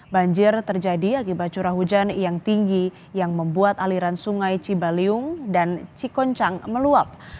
banjir terjadi akibat curah hujan yang tinggi yang membuat aliran sungai cibaliung dan cikoncang meluap